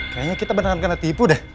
kayaknya kita beneran karena tipu deh